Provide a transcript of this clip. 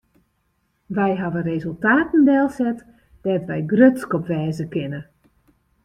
Wy hawwe resultaten delset dêr't wy grutsk op wêze kinne.